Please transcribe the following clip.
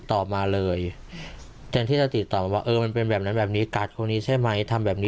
ถ้าเราผิดจริงเราก็ขอโทษได้